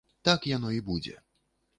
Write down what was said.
Так яно і будзе.